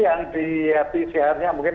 yang di arti siarnya mungkin